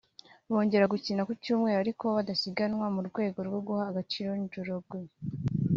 bongera gukina ku Cyumweru ariko badasiganwa mu rwego rwo guha agaciro Njoroge